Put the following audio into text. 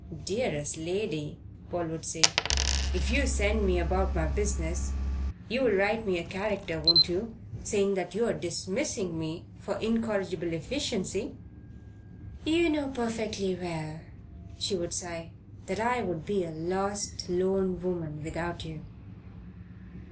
"Dearest lady," Paul would say, "if you send me about my business, you'll write me a character, won't you, saying that you're dismissing me for incorrigible efficiency?" "You know perfectly well," she would sigh, "that I would be a lost, lone woman without you."